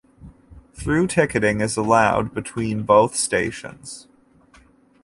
Through ticketing is allowed between both stations.